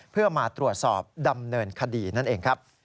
เพื่อมาตรวจสอบดำเนินคดีนั่นเองครับ